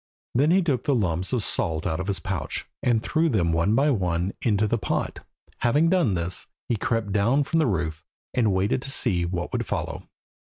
Then he took the lumps of salt out of his pouch, and threw them one by one into the pot. Having done this, he crept down from the roof, and waited to see what would follow.